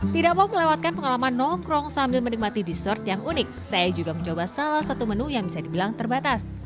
tidak mau melewatkan pengalaman nongkrong sambil menikmati dessert yang unik saya juga mencoba salah satu menu yang bisa dibilang terbatas